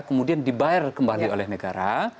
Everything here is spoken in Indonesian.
kemudian dibayar kembali oleh negara